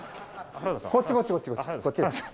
こっちこっちこっちです。